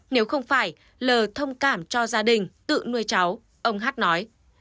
nếu không phải lờ thông cảm cho gia đình tự nuôi cháu ông hát nói